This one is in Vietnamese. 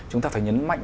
chúng ta phải nhấn mạnh